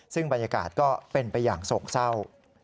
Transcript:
ซึ่งบรรยากาศก็เป็นไปอย่างโศกเศร้า